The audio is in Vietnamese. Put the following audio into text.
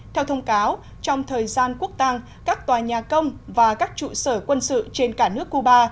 theo thông cáo trong thời gian quốc tàng các tòa nhà công và các trụ sở quân sự trên cả nước cuba